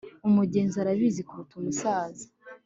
umugenzi arabizi kuruta umusaza